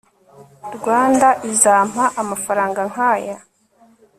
Rwanda izampa amafaranga nkaya